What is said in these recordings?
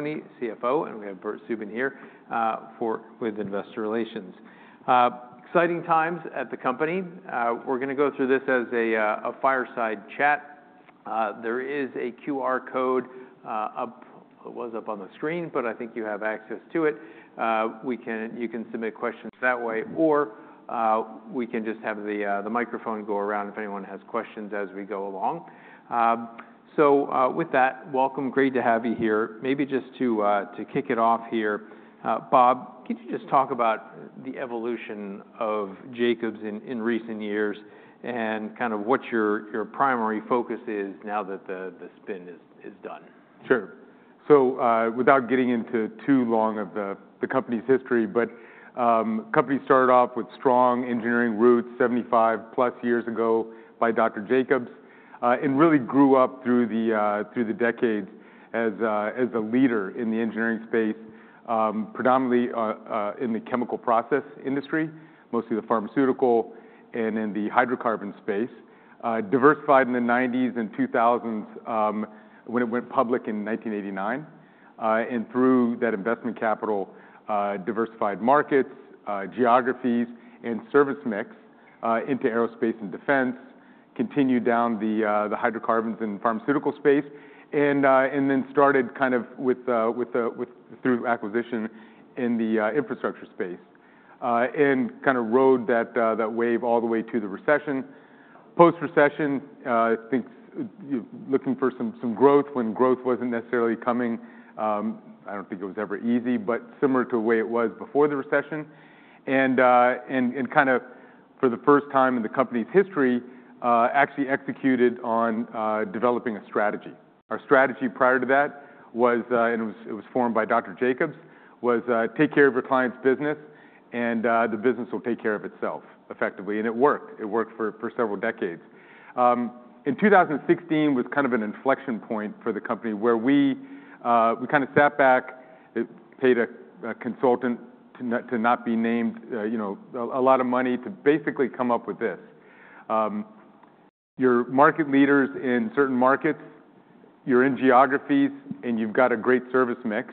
Venk Nathamuni, CFO, and we have Bert Subin here with Investor Relations. Exciting times at the company. We're going to go through this as a fireside chat. There is a QR code up. It was up on the screen, but I think you have access to it. You can submit questions that way, or we can just have the microphone go around if anyone has questions as we go along, so with that, welcome, great to have you here. Maybe just to kick it off here, Bob, could you just talk about the evolution of Jacobs in recent years and kind of what your primary focus is now that the spin is done? Sure. So without getting into too long of the company's history, but the company started off with strong engineering roots 75+ years ago by Dr. Jacobs and really grew up through the decades as a leader in the engineering space, predominantly in the chemical process industry, mostly the pharmaceutical and in the hydrocarbon space. It diversified in the 1990s and 2000s when it went public in 1989. Through that investment capital, it diversified markets, geographies, and service mix into aerospace and defense, continued down the hydrocarbons and pharmaceutical space, and then started kind of through acquisition in the infrastructure space and kind of rode that wave all the way to the recession. Post-recession, I think looking for some growth when growth wasn't necessarily coming. I don't think it was ever easy, but similar to the way it was before the recession. And kind of for the first time in the company's history, actually executed on developing a strategy. Our strategy prior to that was, and it was formed by Dr. Jacobs, was take care of your client's business and the business will take care of itself effectively. And it worked. It worked for several decades. In 2016 was kind of an inflection point for the company where we kind of sat back, paid a consultant to not be named, a lot of money to basically come up with this. You're market leaders in certain markets, you're in geographies, and you've got a great service mix.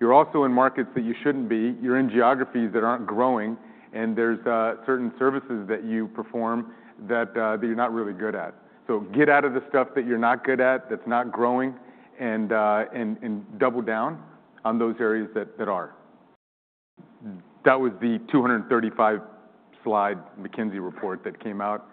You're also in markets that you shouldn't be. You're in geographies that aren't growing, and there's certain services that you perform that you're not really good at. So get out of the stuff that you're not good at, that's not growing, and double down on those areas that are. That was the 235-slide McKinsey report that came out,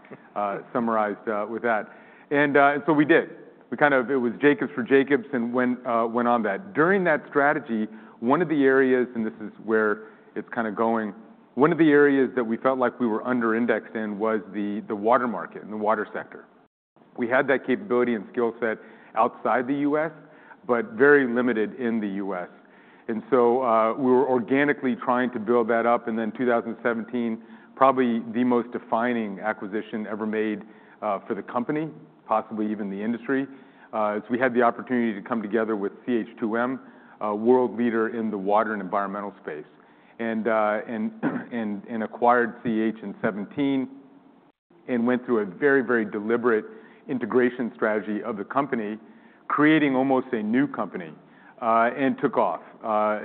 summarized with that. And so we did. We kind of, it was Jacobs for Jacobs and went on that. During that strategy, one of the areas, and this is where it's kind of going, one of the areas that we felt like we were under-indexed in was the water market and the water sector. We had that capability and skill set outside the U.S., but very limited in the U.S. And so we were organically trying to build that up. And then 2017, probably the most defining acquisition ever made for the company, possibly even the industry, is we had the opportunity to come together with CH2M, a world leader in the water and environmental space, and acquired CH2M in 2017 and went through a very, very deliberate integration strategy of the company, creating almost a new company and took off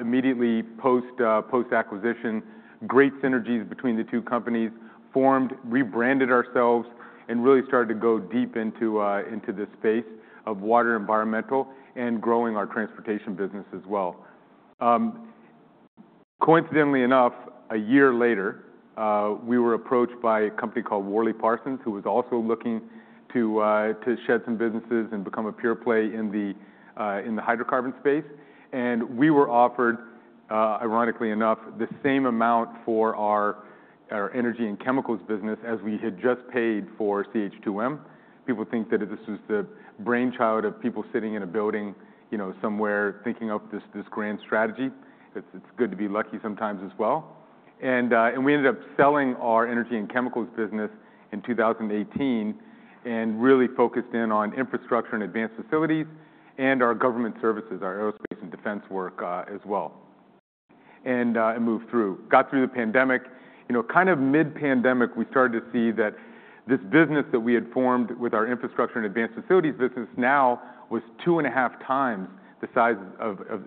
immediately post-acquisition. Great synergies between the two companies formed, rebranded ourselves, and really started to go deep into the space of water and environmental and growing our transportation business as well. Coincidentally enough, a year later, we were approached by a company called WorleyParsons, who was also looking to shed some businesses and become a pure play in the hydrocarbon space. And we were offered, ironically enough, the same amount for our Energy and Chemicals business as we had just paid for CH2M. People think that this was the brainchild of people sitting in a building somewhere thinking of this grand strategy. It's good to be lucky sometimes as well. And we ended up selling our Energy and Chemicals business in 2018 and really focused in on Infrastructure and Advanced Facilities and our government services, our Aerospace and Defense work as well, and moved through. Got through the pandemic. Kind of mid-pandemic, we started to see that this business that we had formed with our Infrastructure and Advanced Facilities business now was two and a half times the size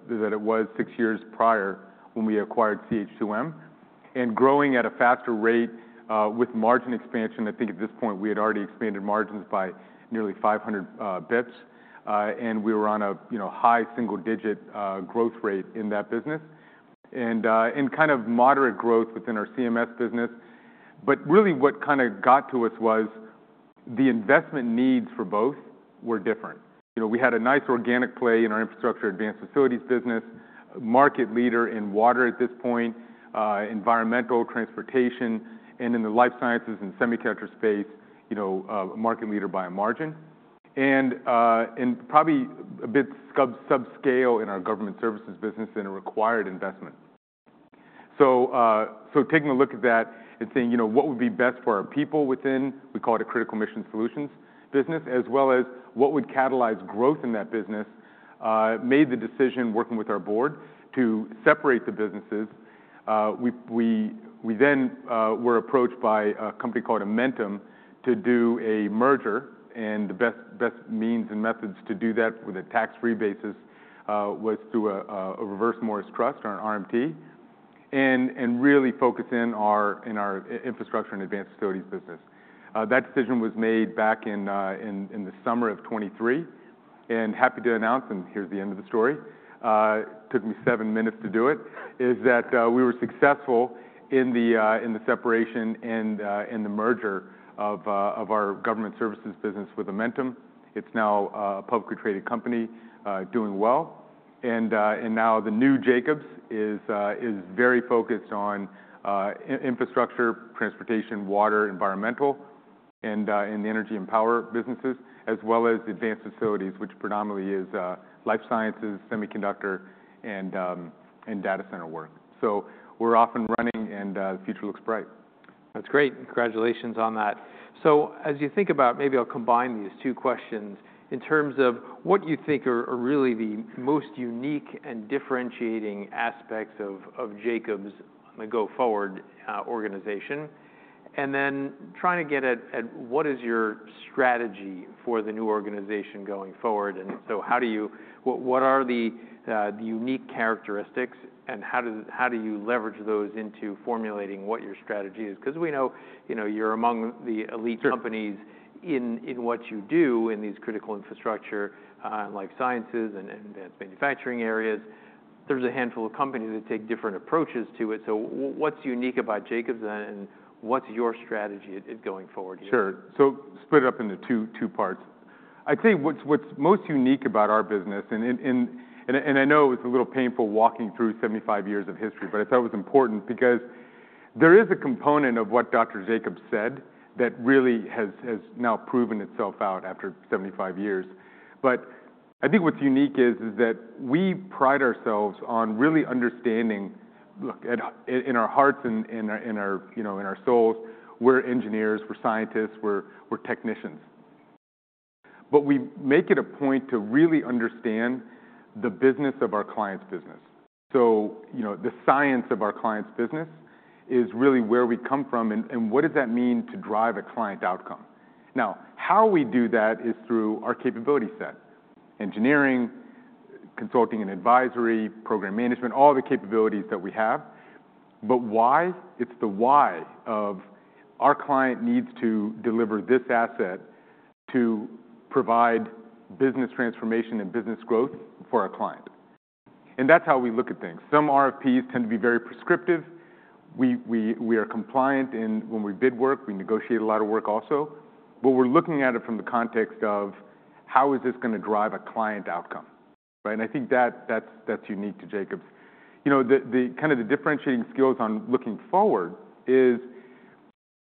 that it was six years prior when we acquired CH2M and growing at a faster rate with margin expansion. I think at this point we had already expanded margins by nearly 500 basis points, and we were on a high single-digit growth rate in that business and kind of moderate growth within our CMS business. But really what kind of got to us was the investment needs for both were different. We had a nice organic play in our Infrastructure and Advanced Facilities business, market leader in water at this point, environmental, transportation, and in the Life Sciences and Semiconductor space, a market leader by a margin, and probably a bit subscale in our Government Services business and a required investment. So taking a look at that and saying, what would be best for our people within, we call it a Critical Mission Solutions business, as well as what would catalyze growth in that business, made the decision working with our board to separate the businesses. We then were approached by a company called Amentum to do a merger, and the best means and methods to do that with a tax-free basis was through a Reverse Morris Trust or an RMT and really focus in our Infrastructure and Advanced Facilities business. That decision was made back in the summer of 2023. And happy to announce, and here's the end of the story, took me seven minutes to do it, is that we were successful in the separation and the merger of our government services business with Amentum. It's now a publicly traded company doing well. And now the new Jacobs is very focused on Infrastructure, Transportation, Water, Environmental, and the Energy and Power businesses, as well as Advanced Facilities, which predominantly is Life Sciences, Semiconductor, and Data Center work. So we're off and running, and the future looks bright. That's great. Congratulations on that. So as you think about, maybe I'll combine these two questions in terms of what you think are really the most unique and differentiating aspects of Jacobs' go-forward organization, and then trying to get at what is your strategy for the new organization going forward. And so how do you, what are the unique characteristics, and how do you leverage those into formulating what your strategy is? Because we know you're among the elite companies in what you do in these Critical Infrastructure and Life Sciences and Advanced Manufacturing areas. There's a handful of companies that take different approaches to it. So what's unique about Jacobs and what's your strategy going forward here? Sure. So split it up into two parts. I'd say what's most unique about our business, and I know it was a little painful walking through 75 years of history, but I thought it was important because there is a component of what Dr. Jacobs said that really has now proven itself out after 75 years. But I think what's unique is that we pride ourselves on really understanding in our hearts and in our souls, we're engineers, we're scientists, we're technicians. But we make it a point to really understand the business of our client's business. So the science of our client's business is really where we come from and what does that mean to drive a client outcome? Now, how we do that is through our capability set, engineering, consulting and advisory, program management, all the capabilities that we have. But why? It's the why of our client needs to deliver this asset to provide business transformation and business growth for our client, and that's how we look at things. Some RFPs tend to be very prescriptive. We are compliant, and when we bid work, we negotiate a lot of work also, but we're looking at it from the context of how is this going to drive a client outcome? And I think that's unique to Jacobs. Kind of the differentiating skills on looking forward is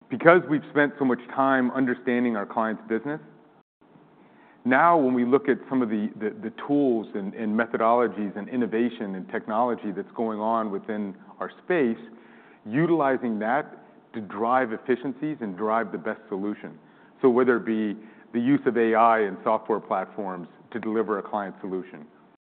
because we've spent so much time understanding our client's business. Now when we look at some of the tools and methodologies and innovation and technology that's going on within our space, utilizing that to drive efficiencies and drive the best solution. So whether it be the use of AI and software platforms to deliver a client solution,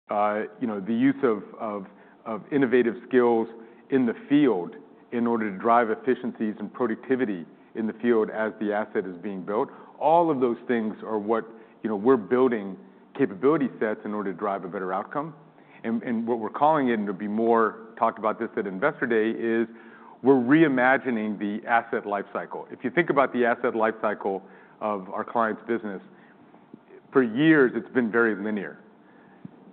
the use of innovative skills in the field in order to drive efficiencies and productivity in the field as the asset is being built, all of those things are what we're building capability sets in order to drive a better outcome. And what we're calling it, and it'll be more talked about this at Investor Day, is we're reimagining the asset life cycle. If you think about the asset life cycle of our client's business, for years it's been very linear.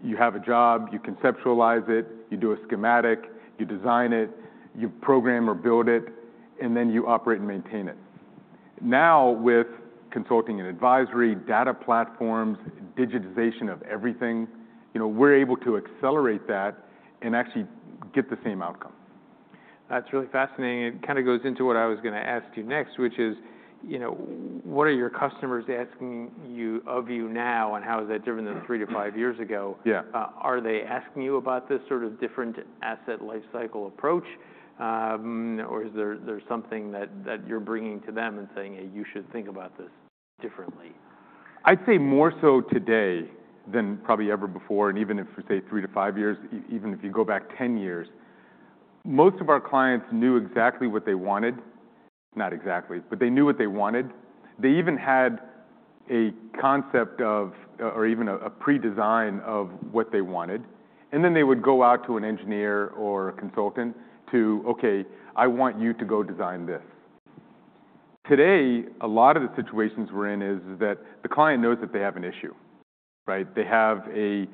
You have a job, you conceptualize it, you do a schematic, you design it, you program or build it, and then you operate and maintain it. Now with consulting and advisory, data platforms, digitization of everything, we're able to accelerate that and actually get the same outcome. That's really fascinating. It kind of goes into what I was going to ask you next, which is what are your customers asking of you now, and how has that driven them three to five years ago? Are they asking you about this sort of different asset life cycle approach, or is there something that you're bringing to them and saying, "Hey, you should think about this differently"? I'd say more so today than probably ever before, and even if we say three to five years, even if you go back 10 years, most of our clients knew exactly what they wanted. Not exactly, but they knew what they wanted. They even had a concept of, or even a pre-design of what they wanted, and then they would go out to an engineer or a consultant to "Okay, I want you to go design this." Today, a lot of the situations we're in is that the client knows that they have an issue. They have a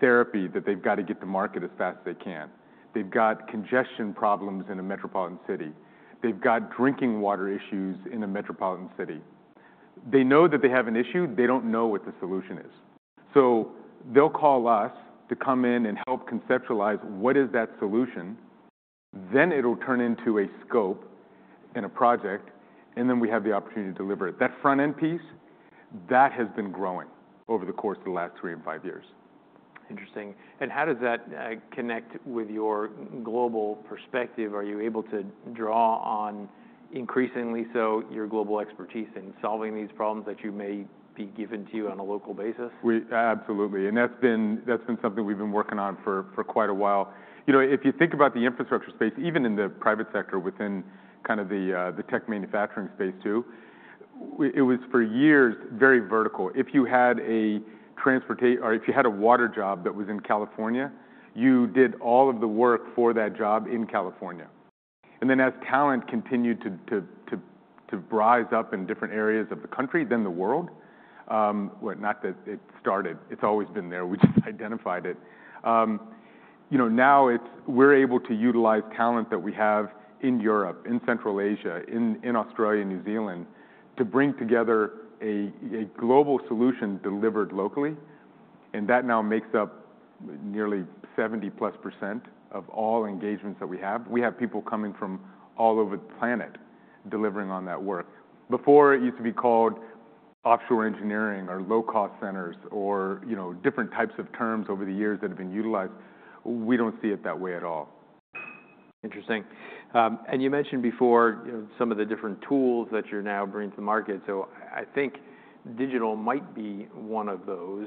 therapy that they've got to get to market as fast as they can. They've got congestion problems in a metropolitan city. They've got drinking water issues in a metropolitan city. They know that they have an issue. They don't know what the solution is. So they'll call us to come in and help conceptualize what is that solution. Then it'll turn into a scope and a project, and then we have the opportunity to deliver it. That front-end piece, that has been growing over the course of the last three and five years. Interesting. And how does that connect with your global perspective? Are you able to draw on increasingly so your global expertise in solving these problems that you may be given to you on a local basis? Absolutely. And that's been something we've been working on for quite a while. If you think about the infrastructure space, even in the private sector within kind of the tech manufacturing space too, it was for years very vertical. If you had a transportation or if you had a water job that was in California, you did all of the work for that job in California. And then as talent continued to rise up in different areas of the country, then the world, not that it started, it's always been there. We just identified it. Now we're able to utilize talent that we have in Europe, in Central Asia, in Australia, New Zealand, to bring together a global solution delivered locally. And that now makes up nearly 70+% of all engagements that we have. We have people coming from all over the planet delivering on that work. Before, it used to be called offshore engineering or low-cost centers or different types of terms over the years that have been utilized. We don't see it that way at all. Interesting. And you mentioned before some of the different tools that you're now bringing to the market. So I think digital might be one of those.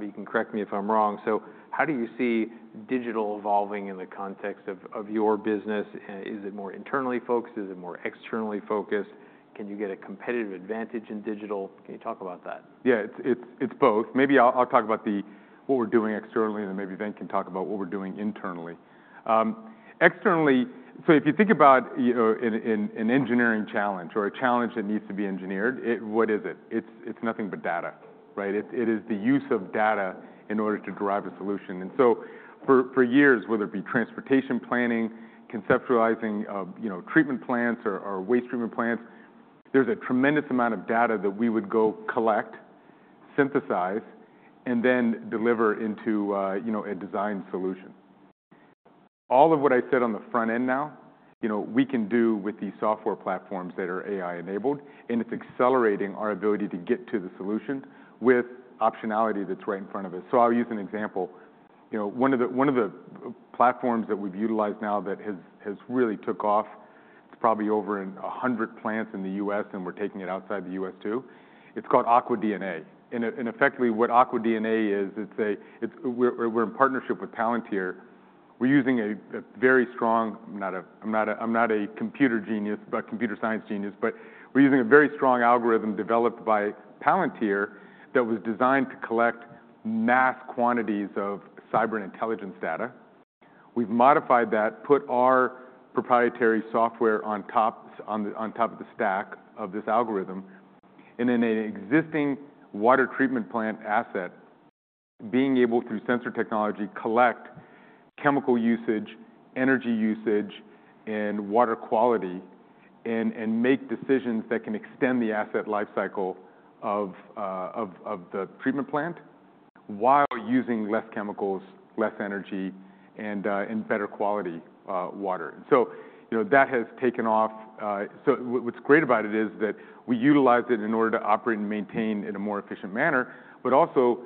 You can correct me if I'm wrong. So how do you see digital evolving in the context of your business? Is it more internally focused? Is it more externally focused? Can you get a competitive advantage in digital? Can you talk about that? Yeah, it's both. Maybe I'll talk about what we're doing externally, and then maybe Venk can talk about what we're doing internally. Externally, so if you think about an engineering challenge or a challenge that needs to be engineered, what is it? It's nothing but data. It is the use of data in order to drive a solution. And so for years, whether it be transportation planning, conceptualizing treatment plants or waste treatment plants, there's a tremendous amount of data that we would go collect, synthesize, and then deliver into a design solution. All of what I said on the front end now, we can do with these software platforms that are AI-enabled, and it's accelerating our ability to get to the solution with optionality that's right in front of us. So I'll use an example. One of the platforms that we've utilized now that has really took off. It's probably over 100 plants in the U.S., and we're taking it outside the U.S. too. It's called Aqua DNA. And effectively what Aqua DNA is, we're in partnership with Palantir. We're using a very strong. I'm not a computer genius, but computer science genius, but we're using a very strong algorithm developed by Palantir that was designed to collect mass quantities of cyber and intelligence data. We've modified that, put our proprietary software on top of the stack of this algorithm, and then an existing water treatment plant asset being able through sensor technology to collect chemical usage, energy usage, and water quality and make decisions that can extend the asset life cycle of the treatment plant while using less chemicals, less energy, and better quality water. So that has taken off. So what's great about it is that we utilize it in order to operate and maintain in a more efficient manner, but also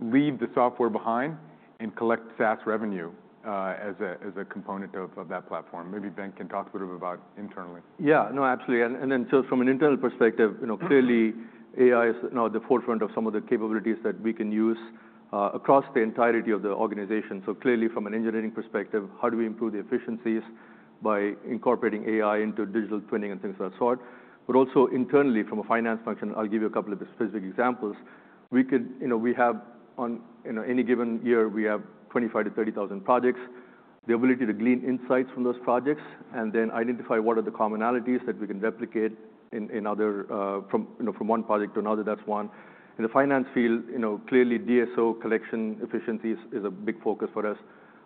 leave the software behind and collect SaaS revenue as a component of that platform. Maybe Venk can talk a bit about internally. Yeah, no, absolutely. And then so from an internal perspective, clearly AI is now at the forefront of some of the capabilities that we can use across the entirety of the organization. So clearly from an engineering perspective, how do we improve the efficiencies? By incorporating AI into digital twinning and things of that sort. But also internally from a finance function, I'll give you a couple of specific examples. We have on any given year, we have 25,000-30,000 projects, the ability to gain insights from those projects and then identify what are the commonalities that we can replicate from one project to another, that's one. In the finance field, clearly DSO collection efficiencies is a big focus for us.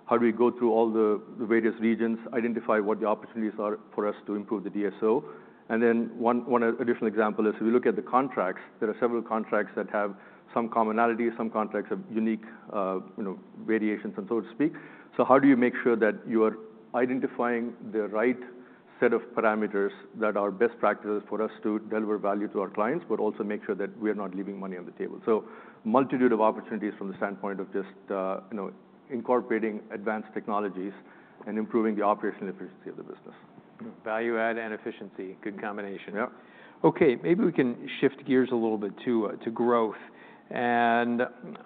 How do we go through all the various regions, identify what the opportunities are for us to improve the DSO? And then one additional example is if we look at the contracts, there are several contracts that have some commonalities, some contracts have unique variations, so to speak. So how do you make sure that you are identifying the right set of parameters that are best practices for us to deliver value to our clients, but also make sure that we are not leaving money on the table? So multitude of opportunities from the standpoint of just incorporating advanced technologies and improving the operational efficiency of the business. Value add and efficiency, good combination. Yep. Okay, maybe we can shift gears a little bit to growth, and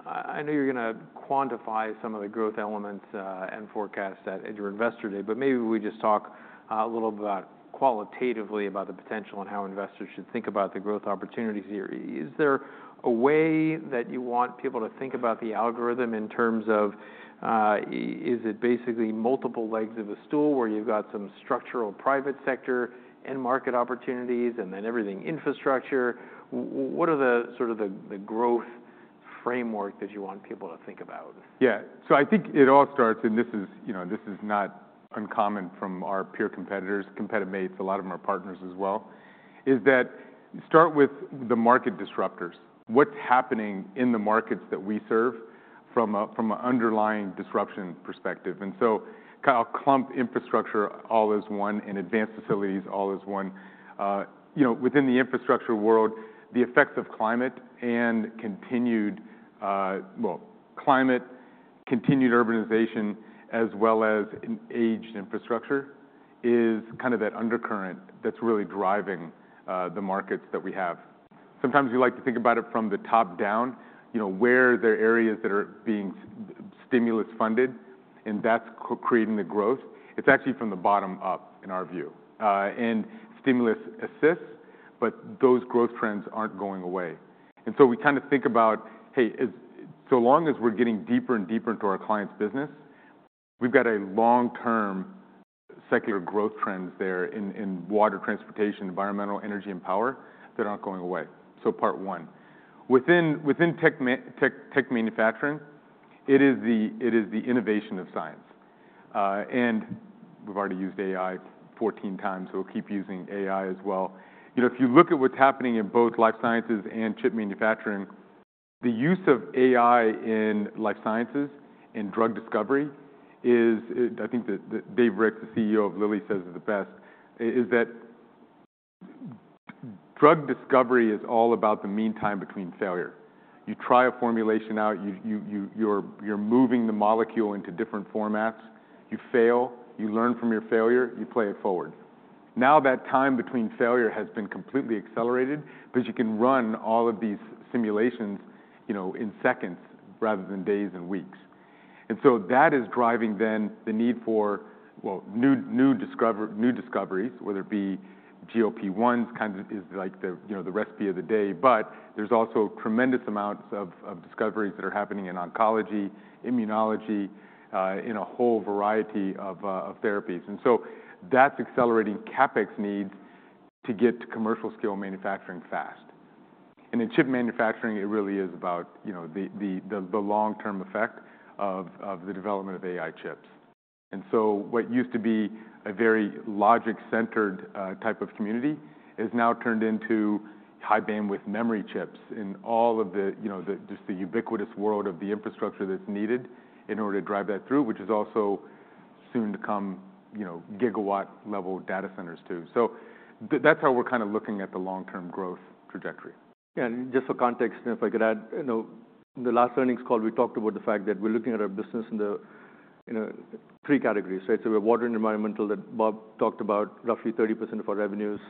I know you're going to quantify some of the growth elements and forecasts at your Investor Day, but maybe we just talk a little bit qualitatively about the potential and how investors should think about the growth opportunities here. Is there a way that you want people to think about the algorithm in terms of is it basically multiple legs of a stool where you've got some structural private sector and market opportunities and then everything infrastructure? What are the sort of growth framework that you want people to think about? Yeah, so I think it all starts, and this is not uncommon from our peer competitors, competitor mates, a lot of our partners as well, is that start with the market disruptors. What's happening in the markets that we serve from an underlying disruption perspective? So I'll clump Infrastructure all as one and Advanced Facilities all as one. Within the Infrastructure world, the effects of climate and continued urbanization, as well as aged infrastructure is kind of that undercurrent that's really driving the markets that we have. Sometimes we like to think about it from the top down, where there are areas that are being stimulus funded, and that's creating the growth. It's actually from the bottom up in our view. Stimulus assists, but those growth trends aren't going away. And so we kind of think about, hey, so long as we're getting deeper and deeper into our client's business, we've got a long-term secular growth trends there in water, transportation, environmental, energy, and power that aren't going away. So part one. Within Tech Manufacturing, it is the innovation of science. And we've already used AI 14 times, so we'll keep using AI as well. If you look at what's happening in both life sciences and chip manufacturing, the use of AI in Life Sciences and Drug Discovery is, I think that Dave Ricks, the CEO of Lilly, says it the best. It is that Drug Discovery is all about the mean time between failure. You try a formulation out, you're moving the molecule into different formats, you fail, you learn from your failure, you play it forward. Now that time between failure has been completely accelerated because you can run all of these simulations in seconds rather than days and weeks. And so that is driving then the need for new discoveries, whether it be GLP-1s kind of is like the recipe of the day, but there's also tremendous amounts of discoveries that are happening in oncology, immunology, in a whole variety of therapies. And so that's accelerating CapEx needs to get to commercial scale manufacturing fast. And in chip manufacturing, it really is about the long-term effect of the development of AI chips. And so what used to be a very logic-centered type of community is now turned into high bandwidth memory chips in all of the just the ubiquitous world of the infrastructure that's needed in order to drive that through, which is also soon to come gigawatt-level data centers too. So that's how we're kind of looking at the long-term growth trajectory. Yeah, just for context, if I could add, in the last earnings call, we talked about the fact that we're looking at our business in three categories. So we have Water and Environmental that Bob talked about, roughly 30% of our revenues.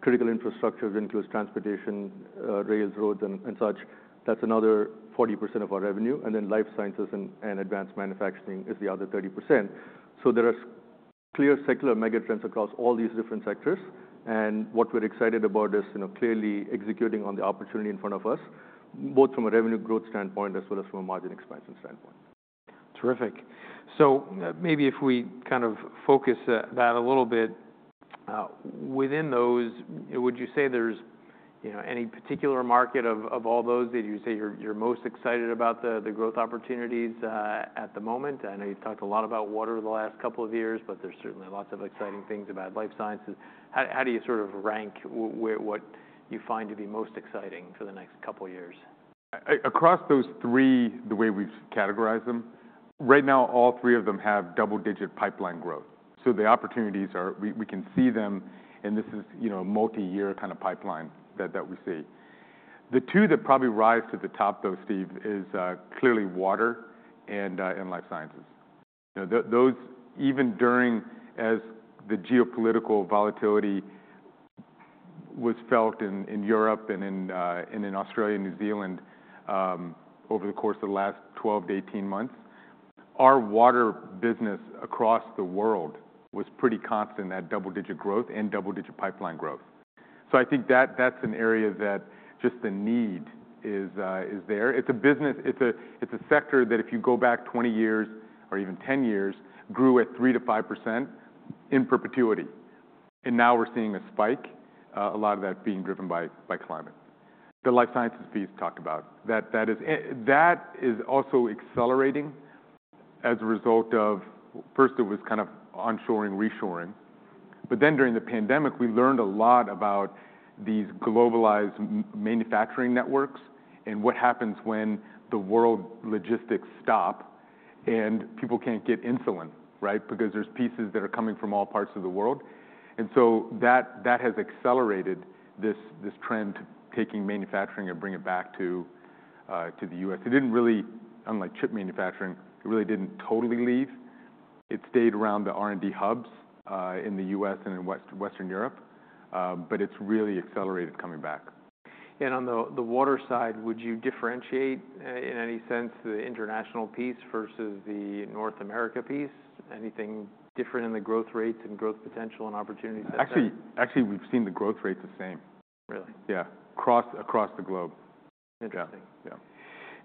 Critical Infrastructure that includes transportation, rails, roads, and such. That's another 40% of our revenue. And then Life Sciences and Advanced Manufacturing is the other 30%. So there are clear secular megatrends across all these different sectors. And what we're excited about is clearly executing on the opportunity in front of us, both from a revenue growth standpoint as well as from a margin expansion standpoint. Terrific. So maybe if we kind of focus that a little bit, within those, would you say there's any particular market of all those that you say you're most excited about the growth opportunities at the moment? I know you've talked a lot about water the last couple of years, but there's certainly lots of exciting things about Life Sciences. How do you sort of rank what you find to be most exciting for the next couple of years? Across those three, the way we've categorized them, right now all three of them have double-digit pipeline growth. So the opportunities are, we can see them, and this is a multi-year kind of pipeline that we see. The two that probably rise to the top though, Steve, is clearly Water and Life Sciences. Those, even during as the geopolitical volatility was felt in Europe and in Australia and New Zealand over the course of the last 12-18 months, our Water business across the world was pretty constant at double-digit growth and double-digit pipeline growth. So I think that's an area that just the need is there. It's a sector that if you go back 20 years or even 10 years, grew at 3%-5% in perpetuity. And now we're seeing a spike, a lot of that being driven by climate. The Life Sciences piece talked about, that is also accelerating as a result of, first, it was kind of onshoring, reshoring. But then during the pandemic, we learned a lot about these globalized manufacturing networks and what happens when the world logistics stop and people can't get insulin, right? Because there's pieces that are coming from all parts of the world. And so that has accelerated this trend to taking manufacturing and bringing it back to the U.S. It didn't really, unlike chip manufacturing, it really didn't totally leave. It stayed around the R&D hubs in the U.S. and in Western Europe, but it's really accelerated coming back. On the water side, would you differentiate in any sense the international piece versus the North America piece? Anything different in the growth rates and growth potential and opportunities? Actually, we've seen the growth rates the same. Really? Yeah, across the globe. Interesting. Yeah.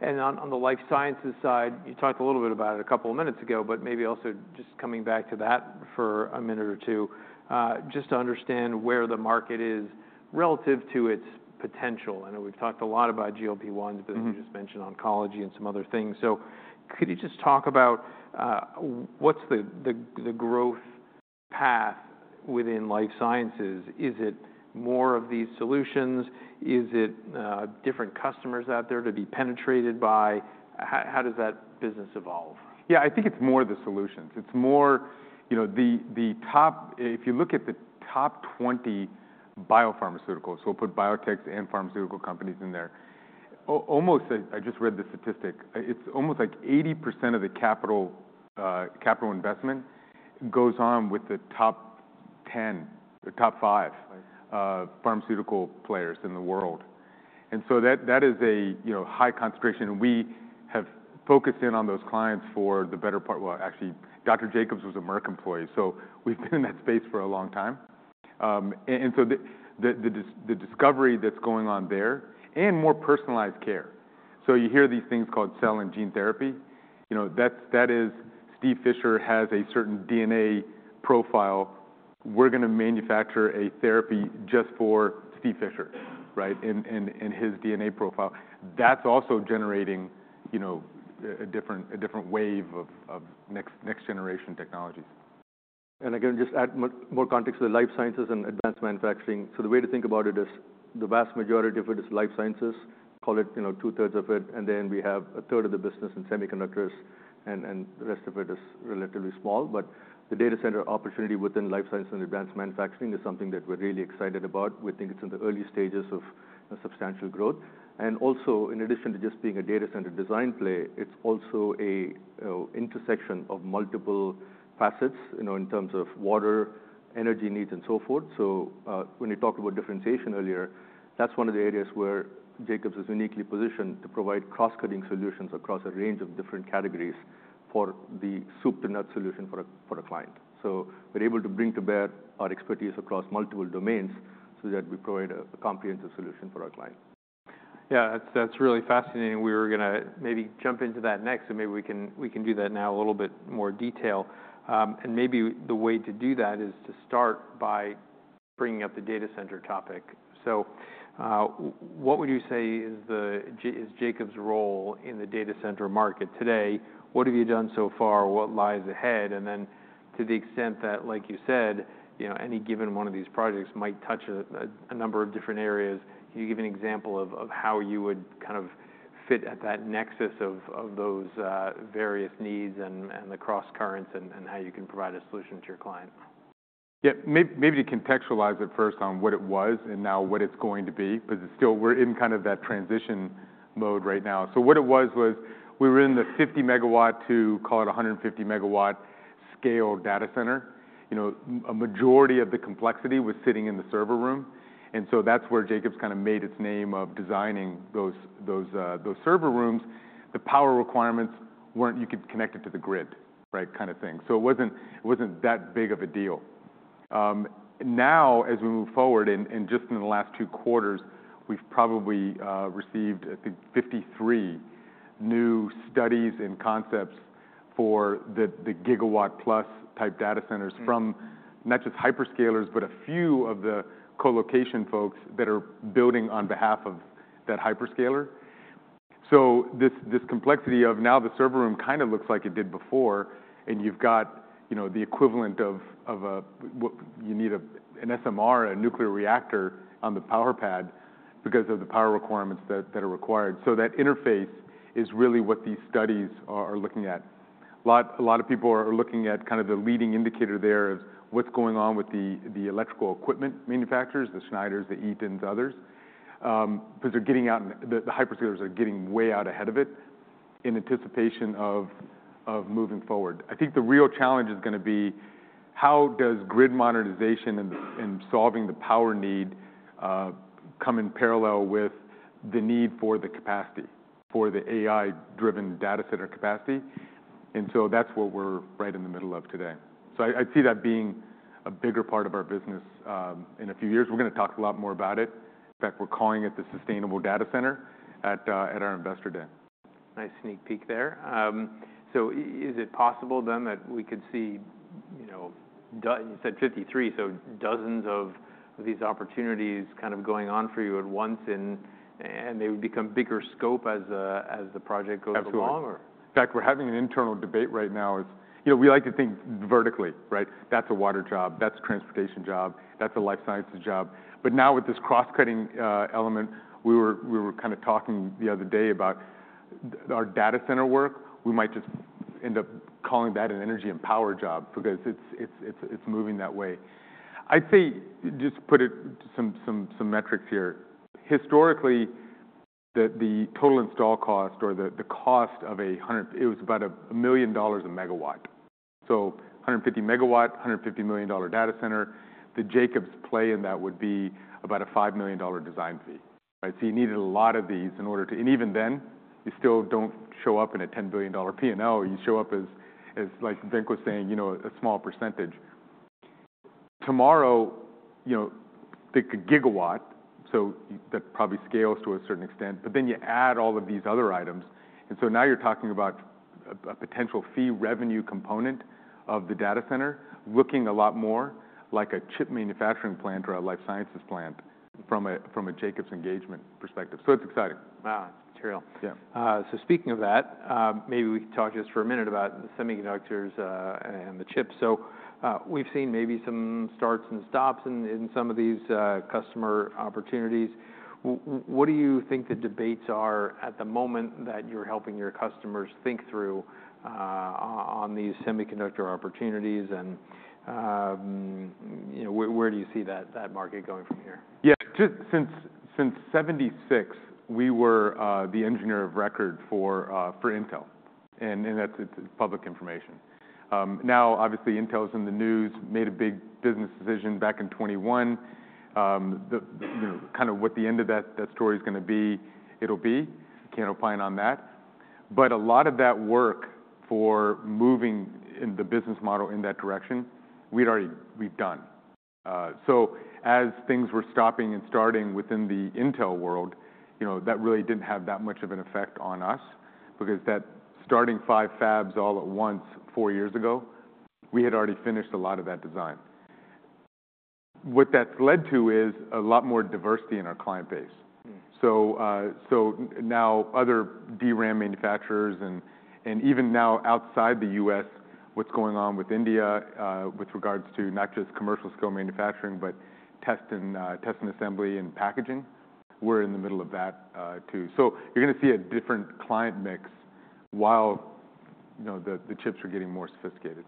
On the Life Sciences side, you talked a little bit about it a couple of minutes ago, but maybe also just coming back to that for a minute or two, just to understand where the market is relative to its potential. I know we've talked a lot about GLP-1s, but you just mentioned oncology and some other things. So could you just talk about what's the growth path within life sciences? Is it more of these solutions? Is it different customers out there to be penetrated by? How does that business evolve? Yeah, I think it's more the solutions. It's more the top, if you look at the top 20 biopharmaceuticals, we'll put biotechs and pharmaceutical companies in there. Almost, I just read the statistic, it's almost like 80% of the capital investment goes on with the top 10 or top 5 pharmaceutical players in the world. And so that is a high concentration. And we have focused in on those clients for the better part, well, actually, Dr. Jacobs was a Merck employee, so we've been in that space for a long time. And so the discovery that's going on there and more personalized care. So you hear these things called cell and gene therapy. That is Steve Fisher has a certain DNA profile. We're going to manufacture a therapy just for Steve Fisher, right, and his DNA profile. That's also generating a different wave of next-generation technologies. I can just add more context to the Life Sciences and Advanced Manufacturing. The way to think about it is the vast majority of it is Life Sciences, call it two-thirds of it, and then we have a third of the business in Semiconductors, and the rest of it is relatively small. The data center opportunity within Life Sciences and Advanced Manufacturing is something that we're really excited about. We think it's in the early stages of substantial growth. Also, in addition to just being a data center design play, it's also an intersection of multiple facets in terms of water, energy needs, and so forth. When you talked about differentiation earlier, that's one of the areas where Jacobs is uniquely positioned to provide cross-cutting solutions across a range of different categories for the soup-to-nut solution for a client. So we're able to bring to bear our expertise across multiple domains so that we provide a comprehensive solution for our client. Yeah, that's really fascinating. We were going to maybe jump into that next, so maybe we can do that now a little bit more detail. And maybe the way to do that is to start by bringing up the data center topic. So what would you say is Jacobs' role in the data center market today? What have you done so far? What lies ahead? And then to the extent that, like you said, any given one of these projects might touch a number of different areas, can you give an example of how you would kind of fit at that nexus of those various needs and the cross currents and how you can provide a solution to your client? Yeah, maybe to contextualize it first on what it was and now what it's going to be, because we're in kind of that transition mode right now. So what it was, was we were in the 50 MW-150 MW scale data center. A majority of the complexity was sitting in the server room. And so that's where Jacobs kind of made its name of designing those server rooms. The power requirements weren't you could connect it to the grid, right, kind of thing. So it wasn't that big of a deal. Now, as we move forward, and just in the last two quarters, we've probably received, I think, 53 new studies and concepts for the gigawatt-plus-type data centers from not just hyperscalers, but a few of the colocation folks that are building on behalf of that hyperscaler. So this complexity of now the server room kind of looks like it did before, and you've got the equivalent of you need an SMR, a nuclear reactor on the power pad because of the power requirements that are required. So that interface is really what these studies are looking at. A lot of people are looking at kind of the leading indicator. There is what's going on with the electrical equipment manufacturers, the Schneider, the Eaton, the others, because they're getting out, the hyperscalers are getting way out ahead of it in anticipation of moving forward. I think the real challenge is going to be how does grid modernization and solving the power need come in parallel with the need for the capacity for the AI-driven data center capacity. And so that's what we're right in the middle of today. So I'd see that being a bigger part of our business in a few years. We're going to talk a lot more about it. In fact, we're calling it the sustainable data center at our Investor Day. Nice sneak peek there. So is it possible then that we could see, you said 53, so dozens of these opportunities kind of going on for you at once, and they would become bigger scope as the project goes along? Absolutely. In fact, we're having an internal debate right now. We like to think vertically, right? That's a Water job, that's a Transportation job, that's a Life Sciences job. But now with this cross-cutting element, we were kind of talking the other day about our data center work, we might just end up calling that an Energy and Power job because it's moving that way. I'd say just put some metrics here. Historically, the total install cost or the cost of a hundred, it was about $1 million a megawatt. So 150 MW, $150 million data center. The Jacobs play in that would be about a $5 million design fee. So you needed a lot of these in order to, and even then, you still don't show up in a $10 billion P&L. You show up as, like Venk was saying, a small percentage. Tomorrow, the gigawatt, so that probably scales to a certain extent, but then you add all of these other items. And so now you're talking about a potential fee revenue component of the data center looking a lot more like a Chip manufacturing plant or a Life Sciences plant from a Jacobs engagement perspective. So it's exciting. Wow, it's material. Yeah. So speaking of that, maybe we could talk just for a minute about the Semiconductors and the Chips. So we've seen maybe some starts and stops in some of these customer opportunities. What do you think the debates are at the moment that you're helping your customers think through on these semiconductor opportunities? And where do you see that market going from here? Yeah, since 1976, we were the engineer of record for Intel. And that's public information. Now, obviously, Intel's in the news, made a big business decision back in 2021. Kind of what the end of that story is going to be, it'll be. Can't opine on that. But a lot of that work for moving in the business model in that direction, we've done. So as things were stopping and starting within the Intel world, that really didn't have that much of an effect on us because that starting five fabs all at once four years ago, we had already finished a lot of that design. What that's led to is a lot more diversity in our client base. So now other DRAM manufacturers and even now outside the U.S., what's going on with India with regards to not just commercial scale manufacturing, but test and assembly and packaging, we're in the middle of that too. So you're going to see a different client mix while the chips are getting more sophisticated.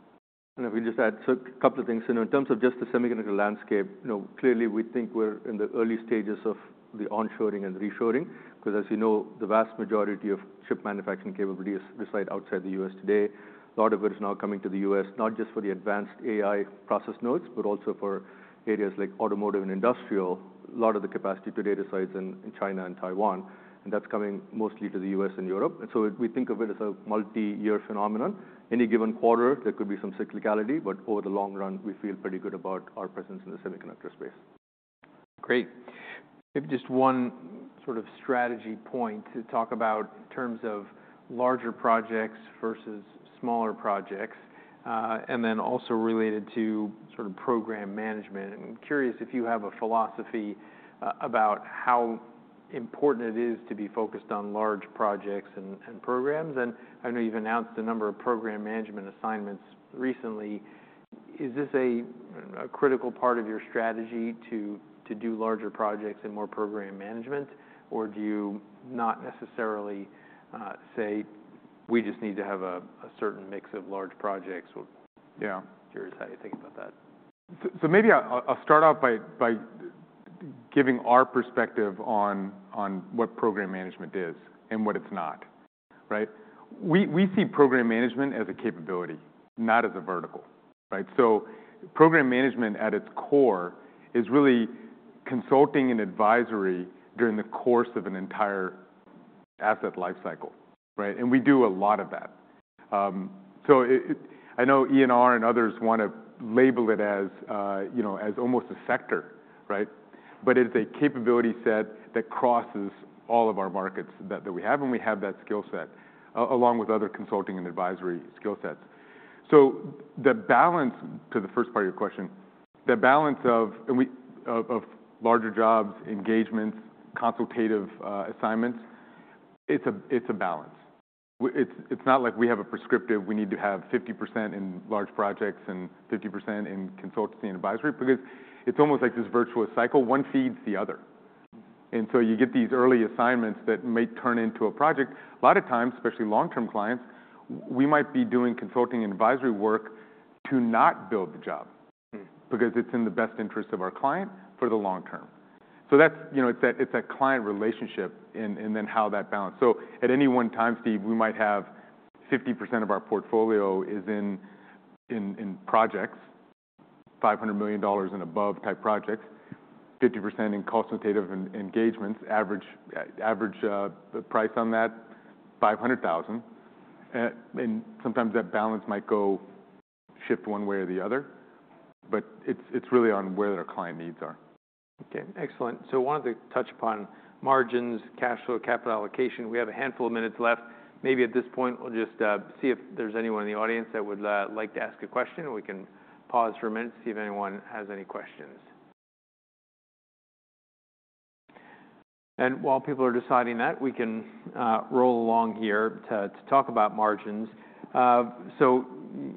And if we can just add a couple of things. In terms of just the Semiconductor landscape, clearly we think we're in the early stages of the onshoring and reshoring because, as you know, the vast majority of chip manufacturing capabilities reside outside the U.S. today. A lot of it is now coming to the U.S., not just for the advanced AI process nodes, but also for areas like Automotive and Industrial. A lot of the capacity today resides in China and Taiwan, and that's coming mostly to the U.S. and Europe. And so we think of it as a multi-year phenomenon. Any given quarter, there could be some cyclicality, but over the long run, we feel pretty good about our presence in the semiconductor space. Great. Maybe just one sort of strategy point to talk about in terms of larger projects versus smaller projects, and then also related to sort of Program Management. I'm curious if you have a philosophy about how important it is to be focused on large projects and programs. And I know you've announced a number of Program Management assignments recently. Is this a critical part of your strategy to do larger projects and more Program Management, or do you not necessarily say, "We just need to have a certain mix of large projects"? Yeah. Curious how you think about that. So maybe I'll start off by giving our perspective on what Program Management is and what it's not, right? We see Program Management as a capability, not as a vertical, right? So Program Management at its core is really consulting and advisory during the course of an entire asset lifecycle, right? And we do a lot of that. So I know ENR and others want to label it as almost a sector, right? But it is a capability set that crosses all of our markets that we have, and we have that skill set along with other consulting and advisory skill sets. So the balance to the first part of your question, the balance of larger jobs, engagements, consultative assignments. It's a balance. It's not like we have a prescriptive, we need to have 50% in large projects and 50% in Consultancy and Advisory because it's almost like this virtuous cycle. One feeds the other. And so you get these early assignments that may turn into a project. A lot of times, especially long-term clients, we might be doing consulting and advisory work to not build the job because it's in the best interest of our client for the long term. So it's that client relationship and then how that balance. So at any one time, Steve, we might have 50% of our portfolio is in projects, $500 million and above type projects, 50% in consultative engagements, average price on that, $500,000. And sometimes that balance might go shift one way or the other, but it's really on where our client needs are. Okay, excellent. So I wanted to touch upon margins, cash flow, capital allocation. We have a handful of minutes left. Maybe at this point, we'll just see if there's anyone in the audience that would like to ask a question, and we can pause for a minute to see if anyone has any questions. And while people are deciding that, we can roll along here to talk about margins. So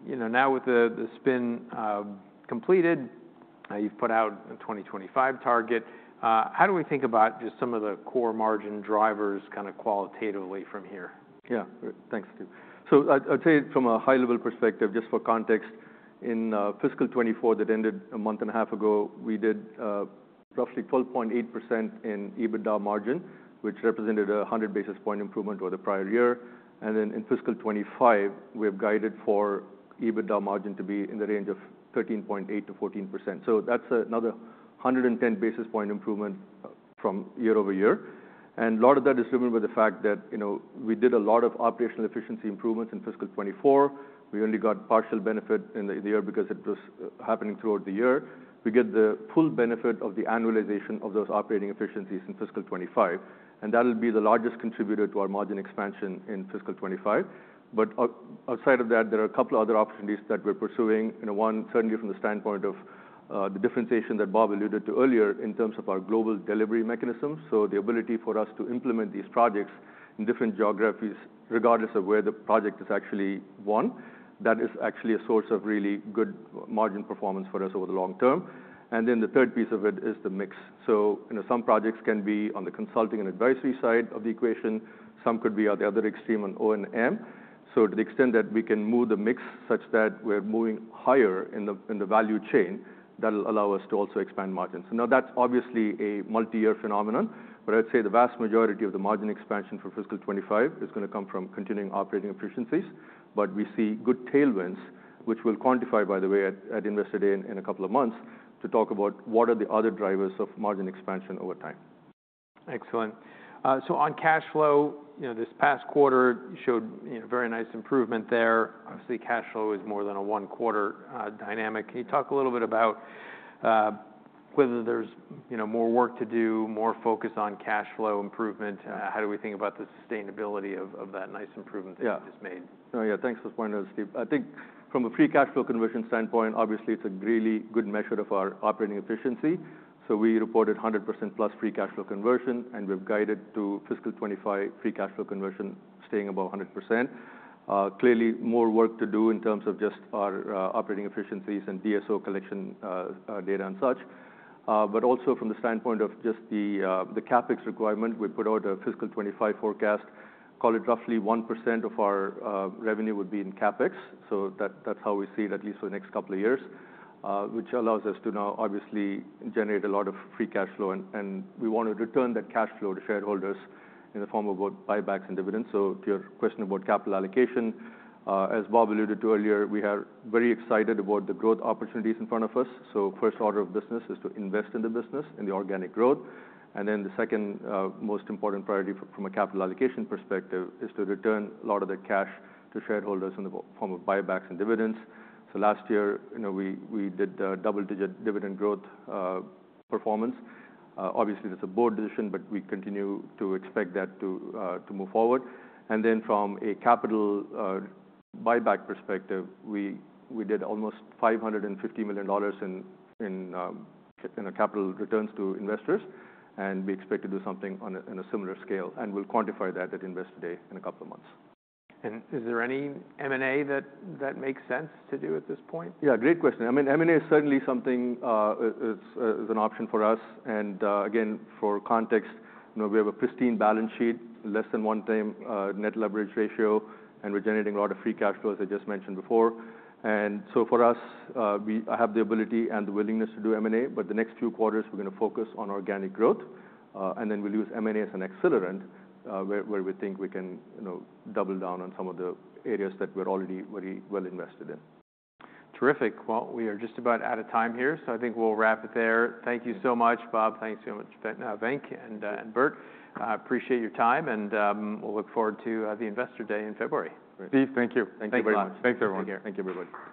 now with the spin completed, you've put out a 2025 target. How do we think about just some of the core margin drivers kind of qualitatively from here? Yeah, thanks, Steve, so I'd say from a high-level perspective, just for context, in fiscal 2024 that ended a month and a half ago, we did roughly 12.8% in EBITDA margin, which represented a 100 basis point improvement over the prior year, and then in fiscal 2025, we have guided for EBITDA margin to be in the range of 13.8%-14%. So that's another 110 basis point improvement from year-over-year, and a lot of that is driven by the fact that we did a lot of operational efficiency improvements in fiscal 2024. We only got partial benefit in the year because it was happening throughout the year. We get the full benefit of the annualization of those operating efficiencies in fiscal 2025, and that will be the largest contributor to our margin expansion in fiscal 2025. But outside of that, there are a couple of other opportunities that we're pursuing. One, certainly from the standpoint of the differentiation that Bob alluded to earlier in terms of our global delivery mechanism. So the ability for us to implement these projects in different geographies, regardless of where the project is actually won, that is actually a source of really good margin performance for us over the long term. And then the third piece of it is the mix. So some projects can be on the consulting and advisory side of the equation. Some could be at the other extreme on O&M. So to the extent that we can move the mix such that we're moving higher in the value chain, that'll allow us to also expand margins. So now that's obviously a multi-year phenomenon, but I'd say the vast majority of the margin expansion for fiscal 2025 is going to come from continuing operating efficiencies. But we see good tailwinds, which we'll quantify, by the way, at Investor Day in a couple of months to talk about what are the other drivers of margin expansion over time. Excellent. So on cash flow, this past quarter showed very nice improvement there. Obviously, cash flow is more than a one-quarter dynamic. Can you talk a little bit about whether there's more work to do, more focus on cash flow improvement? How do we think about the sustainability of that nice improvement that you just made? Yeah. Oh, yeah, thanks for pointing out, Steve. I think from a free cash flow conversion standpoint, obviously, it's a really good measure of our operating efficiency. So we reported 100%+ free cash flow conversion, and we've guided to fiscal 2025 free cash flow conversion staying above 100%. Clearly, more work to do in terms of just our operating efficiencies and DSO collection data and such. But also from the standpoint of just the CapEx requirement, we put out a fiscal 2025 forecast, called it roughly 1% of our revenue would be in CapEx. So that's how we see it at least for the next couple of years, which allows us to now obviously generate a lot of free cash flow. And we want to return that cash flow to shareholders in the form of buybacks and dividends. So to your question about capital allocation, as Bob alluded to earlier, we are very excited about the growth opportunities in front of us. So first order of business is to invest in the business and the organic growth. And then the second most important priority from a capital allocation perspective is to return a lot of that cash to shareholders in the form of buybacks and dividends. So last year, we did double-digit dividend growth performance. Obviously, that's a board decision, but we continue to expect that to move forward. And then from a capital buyback perspective, we did almost $550 million in capital returns to investors, and we expect to do something on a similar scale. And we'll quantify that at Investor Day in a couple of months. Is there any M&A that makes sense to do at this point? Yeah, great question. I mean, M&A is certainly something that is an option for us, and again, for context, we have a pristine balance sheet, less than one-time net leverage ratio, and we're generating a lot of free cash flow as I just mentioned before, and so for us, I have the ability and the willingness to do M&A, but the next few quarters, we're going to focus on organic growth, and then we'll use M&A as an accelerant where we think we can double down on some of the areas that we're already very well invested in. Terrific. Well, we are just about out of time here, so I think we'll wrap it there. Thank you so much, Bob. Thanks so much, Venk and Bert. I appreciate your time, and we'll look forward to the Investor Day in February. Steve, thank you. Thank you very much. Thanks, everyone. Take care. Thank you, everybody.